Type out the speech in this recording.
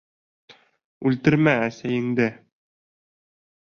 Үлтермә әсәйеңде!